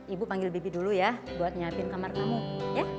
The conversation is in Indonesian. ibu panggil bibi dulu ya buat nyiapin kamar kamu ya